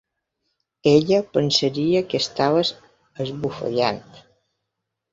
Ella pensaria que estaves esbufegant.